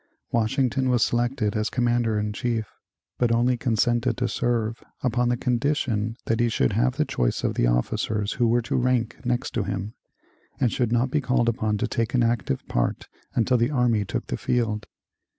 Washington was selected as commander in chief, but only consented to serve upon the condition that he should have the choice of the officers who were to rank next him, and should not be called upon to take an active part until the army took the field.